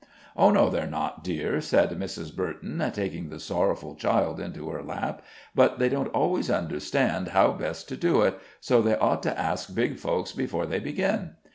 "Oh, no, they're not, dear," said Mrs. Burton, taking the sorrowful child into her lap. "But they don't always understand how best to do it, so they ought to ask big folks before they begin."